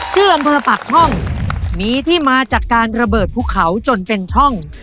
ชื่ออำเภอปากช่องมีที่มาจากการระเบิดภูเขาจนเป็นช่อง